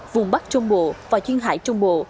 vùng bắc trung bộ và duyên hải trung bộ